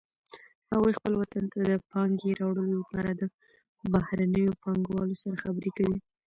هغوی خپل وطن ته د پانګې راوړلو لپاره د بهرنیو پانګوالو سره خبرې کوي